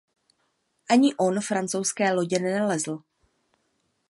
Ani on francouzské lodě nenalezl.